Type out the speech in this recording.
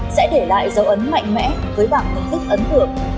sẽ để lại dấu ấn mạnh mẽ với bảng thân thích ấn tượng